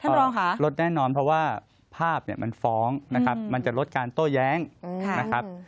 รองคะลดแน่นอนเพราะว่าภาพเนี่ยมันฟ้องนะครับมันจะลดการโต้แย้งนะครับ